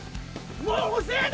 もう遅えだ！